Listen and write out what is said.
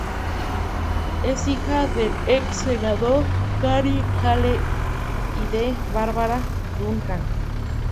Es hija del ex-senador Gary Hale y de Barbara Duncan.